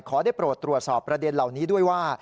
ได้โปรดตรวจสอบประเด็นเหล่านี้ด้วยว่า